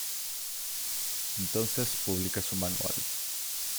Entonces publica su "Manual".